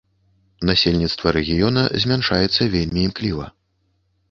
Насельніцтва рэгіёна змяншаецца вельмі імкліва.